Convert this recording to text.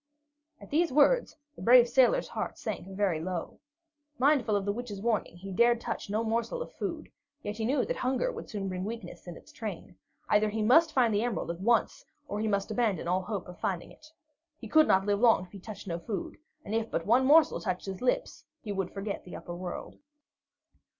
At these words, the brave sailor's heart sank very low. Mindful of the Witch's warning, he dared touch no morsel of food, yet he knew that hunger would soon bring weakness in its train. Either he must find the emerald at once, or he must abandon all hope of finding it. He could not live long if he touched no food, and if but one morsel touched his lips he would forget the upper world.